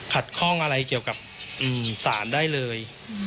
ขัดข้องอะไรเกี่ยวกับศาลได้เลย